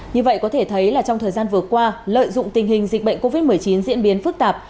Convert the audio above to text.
như vậy có thể thấy là trong thời gian vừa qua lợi dụng tình hình dịch bệnh covid một mươi chín diễn biến phức tạp